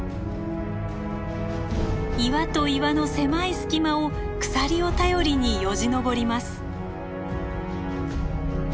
岩と岩の狭い隙間を鎖を頼りによじ登ります。